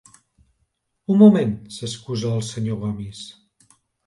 Un moment —s'excusa el senyor Gomis—.